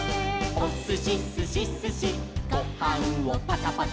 「おすしすしすしごはんをパタパタ」